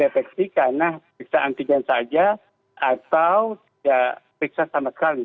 defeksi karena periksa antigen saja atau periksa sama sekali